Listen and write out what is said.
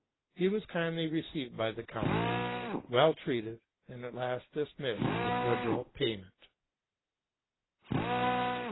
He was kindly received by the count, well treated, and at last dismissed with liberal payment.